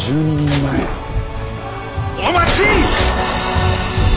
前お待ち！